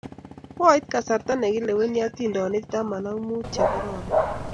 Koit kasarta nekilewenik atindonik taman ak muut che kororon